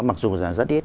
mặc dù là rất ít